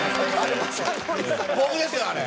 僕ですよあれ。